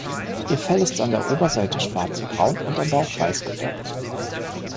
Ihr Fell ist an der Oberseite schwarzbraun und am Bauch weiß gefärbt.